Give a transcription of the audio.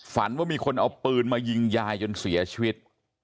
ฝันว่ามีคนเอาปืนมายิงยายจนเสียชีวิต